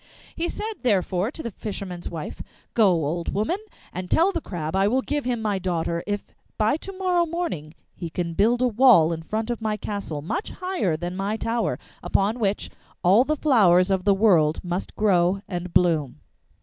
He said, therefore, to the fisherman's wife, 'Go, old woman, and tell the Crab I will give him my daughter if by to morrow morning he can build a wall in front of my castle much higher than my tower, upon which all the flowers of the world must grow and bloom.